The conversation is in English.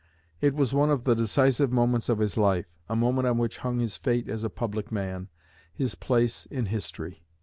It was one of the decisive moments of his life a moment on which hung his fate as a public man, his place in history.